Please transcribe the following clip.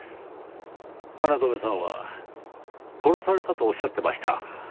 京さんは殺されたとおっしゃってました。